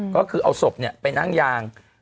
ก็คือเอาศพเนี่ยไปนั่งยาง